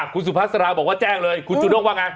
คุณสุภาษาราบอกว่าแจ้งเลยคุณจูด้งว่าไง